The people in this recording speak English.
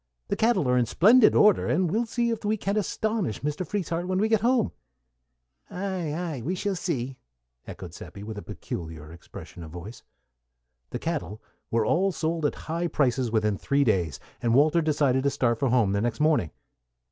"The cattle are in splendid order, and we'll see if we can't astonish Mr. Frieshardt when we get home." "Ay, ay; we shall see," echoed Seppi, with a peculiar expression of voice. The cattle were all sold at high prices within three days, and Walter decided to start for home the next morning.